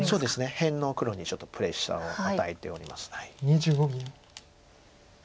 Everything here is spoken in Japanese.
辺の黒にちょっとプレッシャーを与えております。